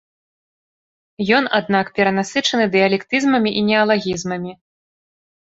Ён, аднак перанасычаны дыялектызмамі і неалагізмамі.